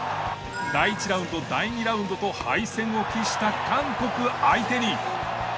第１ラウンド第２ラウンドと敗戦を喫した韓国相手に。